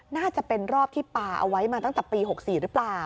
น่าจะเป็นรอบที่ป่าเอาไว้มาตั้งแต่ปี๖๔หรือเปล่า